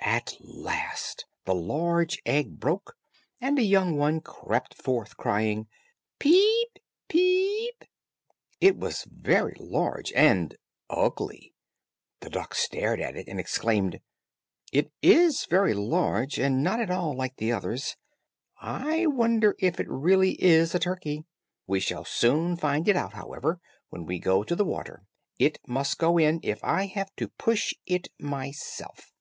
At last the large egg broke, and a young one crept forth crying, "Peep, peep." It was very large and ugly. The duck stared at it and exclaimed, "It is very large and not at all like the others. I wonder if it really is a turkey. We shall soon find it out, however when we go to the water. It must go in, if I have to push it myself."